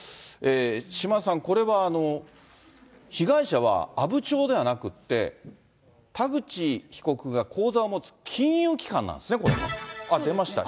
島田さん、これは被害者は、阿武町ではなくって、田口被告が口座を持つ金融機関なんですね。出ました。